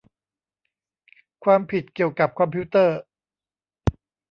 ความผิดเกี่ยวกับคอมพิวเตอร์